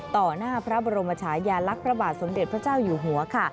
หน้าพระบรมชายาลักษณ์พระบาทสมเด็จพระเจ้าอยู่หัวค่ะ